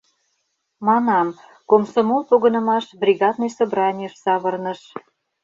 Манам, комсомол погынымаш бригадный собранийыш савырныш.